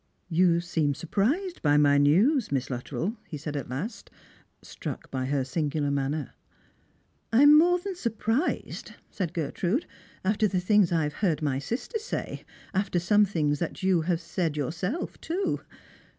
" You seem surprised by my news, Miss Luttrell," he said at last, struck by her singular manner. " I am more than surprised," said Gertrude, " after the things I have heard my sister say — after some things that you have said yourself, too.